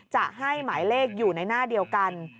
จะให้หมายเลขอยู่ในหน้าเดียวกัน